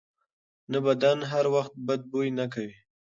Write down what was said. نه، بدن هر وخت بد بوی نه کوي.